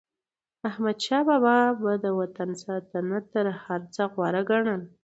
احمدشاه بابا به د وطن ساتنه تر هر څه غوره ګڼله.